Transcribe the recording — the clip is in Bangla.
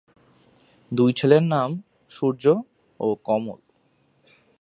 দুই ছেলের নাম সূর্য ও কমল।